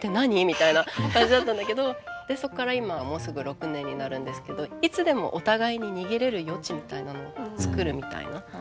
みたいな感じだったんだけどそこから今もうすぐ６年になるんですけどいつでもお互いに逃げれる余地みたいなのを作るみたいな。